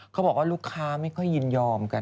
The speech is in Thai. เขาบอกว่าลูกค้าไม่ค่อยยินยอมกัน